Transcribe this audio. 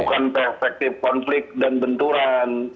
bukan perspektif konflik dan benturan